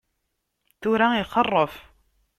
Tura ixeṛṛef.